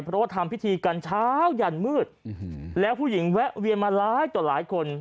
เพราะว่าทำพิธีกันเช้ายันมืดแล้วผู้หญิงแวะเวียนมาหลายต่อหลายคน